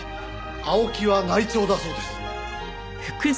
青木は内調だそうです。